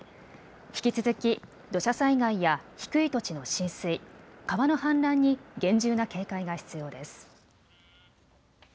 引き続き土砂災害や低い土地の浸水、川の氾濫に厳重な警戒が必要です。